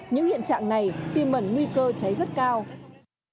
những hiện trạng này tiêm mẩn nguy cơ cháy rất cao